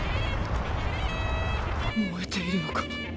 燃えているのか？